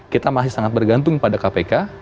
kita masih sangat bergantung pada kpk